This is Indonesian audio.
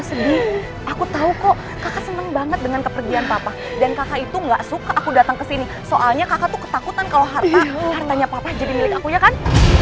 sedih aku tahu kok kakak senang banget dengan kepergian papa dan kakak itu gak suka aku datang ke sini soalnya kakak tuh ketakutan kalau harta hartanya papa jadi milik akunya kan